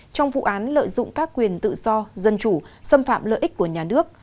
trong vụ án lợi dụng các quyền tự do dân chủ xâm phạm lợi ích của nhà nước